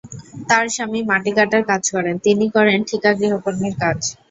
তাঁর স্বামী মাটি কাটার কাজ করেন, তিনি করেন ঠিকা গৃহকর্মীর কাজ।